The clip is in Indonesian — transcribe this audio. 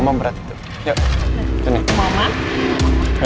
terima kasih ma